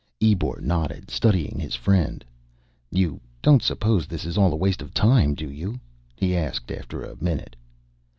Ebor nodded, studying his friend. "You don't suppose this is all a waste of time, do you?" he asked, after a minute.